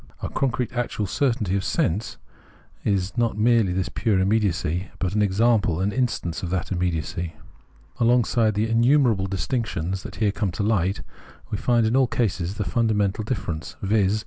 A concrete actual certainty of sense is not merely this pure immediacy, but an example, an instance, of that immediacy. Amongst the innumerable 92 Phenomenology of Mind distinctions that here come to hght, we find in all cases the fundamental difference — viz.